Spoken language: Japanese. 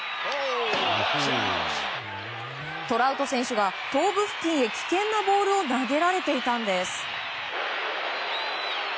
トラウト選手が頭部付近へ危険なボールを投げられていたんです。